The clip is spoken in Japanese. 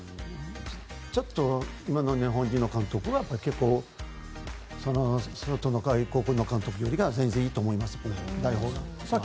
ちょっと今の日本人の監督は結構、オフトの監督よりも全然いいと思います。